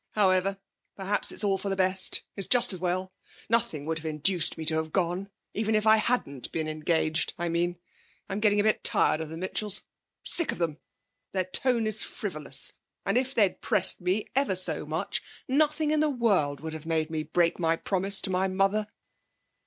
However, perhaps it is all for the best; it's just as well. Nothing would have induced me to have gone even if I hadn't been engaged, I mean. I'm getting a bit tired of the Mitchells; sick of them. Their tone is frivolous. And if they'd pressed me ever so much, nothing in the world would have made me break my promise to my mother.'